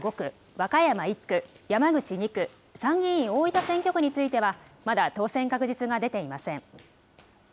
和歌山１区、山口２区、参議院大分選挙区については、まだ当選確実が出ていません。